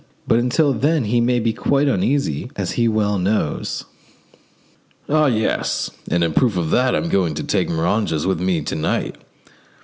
But until then he may be quite easy, as he well knows." "Oh yes, and in proof of that I am going to take Moranges with me to night.